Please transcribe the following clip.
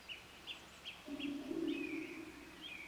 张瑞竹亦是新兴宗教山达基教知名教徒之一。